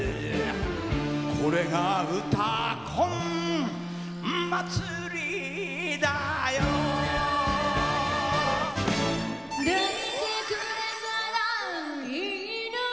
これが「うたコン」祭りだよ「抱いてくれたらいいのに」